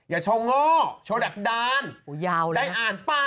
โชว์ง่อโชว์ดักดานได้อ่านเปล่า